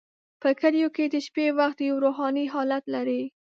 په کلیو کې د شپې وخت یو روحاني حالت لري.